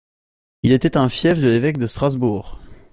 Il était un fief de l'évêque de Strasbourg.